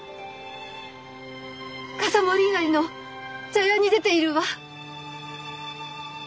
笠森稲荷の茶屋に出ているわ。